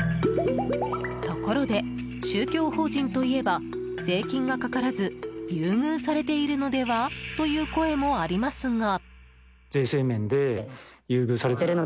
ところで、宗教法人といえば税金がかからず優遇されているのでは？という声もありますが。